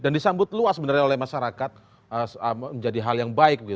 dan disambut luas sebenarnya oleh masyarakat menjadi hal yang baik